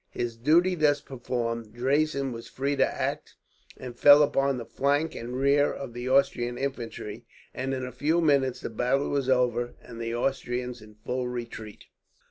His duty thus performed, Draisen was free to act, and fell upon the flank and rear of the Austrian infantry; and in a few minutes the battle was over, and the Austrians in full retreat.